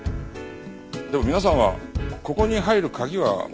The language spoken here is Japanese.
でも皆さんはここに入る鍵は持ってますよね？